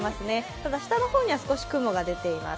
ただ下の方には少し雲が出ています。